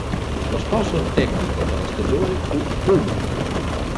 Lo sponsor tecnico per la stagione fu Puma.